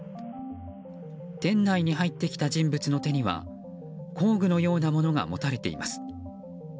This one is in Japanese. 店内に入ってきた人物の手には工具のようなものが持たれています。